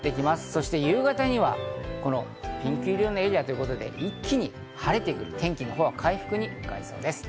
そして夕方にはピンク色のエリアということで、一気に晴れて天気は回復に向かいそうです。